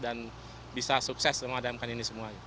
dan bisa sukses memadamkan ini semuanya